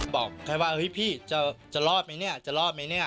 บอกใครว่าพี่จะรอดไหมจะรอดไหม